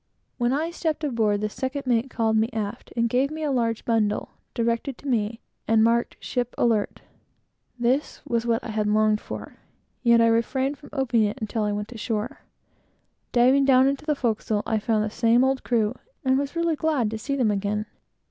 When I stepped aboard, the second mate called me aft, and gave me a large bundle, directed to me, and marked "Ship Alert." This was what I had longed for, yet I refrained from opening it until I went ashore. Diving down into the forecastle, I found the same old crew, and was really glad to see them again.